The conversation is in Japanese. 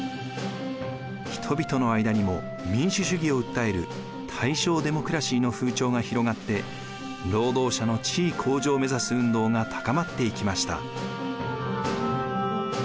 人々の間にも民主主義を訴える大正デモクラシーの風潮が広がって労働者の地位向上を目指す運動が高まっていきました。